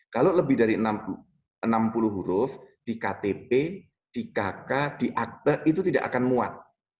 kalau lebih dari enam puluh huruf di ktp di kk di akte itu tidak akan muat